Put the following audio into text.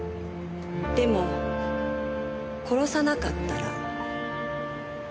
でも殺さなかったら。